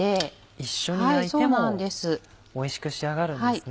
一緒に焼いてもおいしく仕上がるんですね。